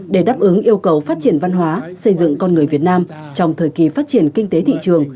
để đáp ứng yêu cầu phát triển văn hóa xây dựng con người việt nam trong thời kỳ phát triển kinh tế thị trường